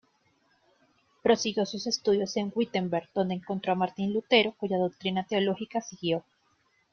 Prosiguió sus estudios en Wittenberg, donde encontró a Martín Lutero, cuya doctrina teológica siguió.